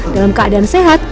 dalam keadaan sehat